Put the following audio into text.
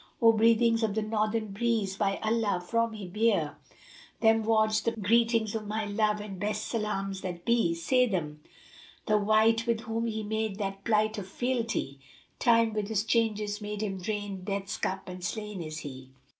O breathings of the northern breeze, by Allah fro' me bear * Them wards the greetings of my love and best salams that be: Say them, 'The wight with whom ye made that plight of fealty * Time with his changes made him drain Death's cup and slain is he!'"